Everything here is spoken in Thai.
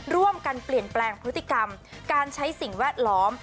ร่วมกันเปลี่ยนแปลงพฤติกรรมการใช้สิ่งแวดล้อม